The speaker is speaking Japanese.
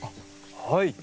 はい。